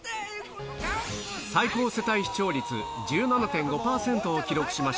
最高世帯視聴率１７．５％を記録